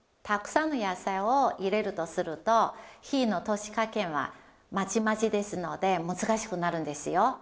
たくさんの野菜を入れるとすると火の通し加減はまちまちですので難しくなるんですよ。